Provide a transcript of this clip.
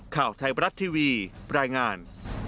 ข่าวไทยบรัฐทีวีรายงาน